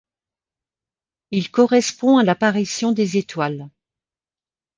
Il correspond à l'apparition des étoiles.